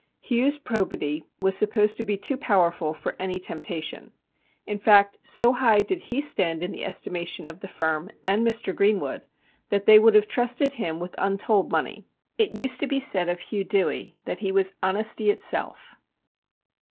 Hugh's probity was supposed to be too powerful for any temptation. In fact, so high did he stand in the estimation of the firm and Mr. Greenwood that they would have trusted him with untold money. It used to be said of Hugh Dewey that he was ' honesty itself.'